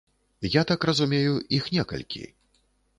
Я так разумею, іх некалькі.